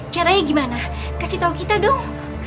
caranya gimana kasih tau kita dong